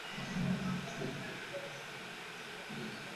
এবারের বাজেটেও এই গোষ্ঠীকে তুষ্ট করায় যা যা করার তা করা হয়েছে।